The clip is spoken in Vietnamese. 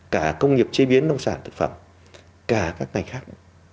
cả công nghiệp chế biến nông sản thực phẩm cả các ngành khác